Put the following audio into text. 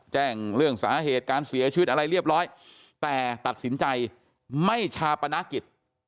แจ้งเรื่องสาเหตุการเสียชีวิตอะไรเรียบร้อยแต่ตัดสินใจไม่ชาปนกิจ